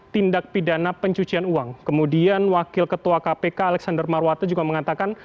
tindak pidana pencucian uang kemudian wakil ketua kpk alexander marwata juga mengatakan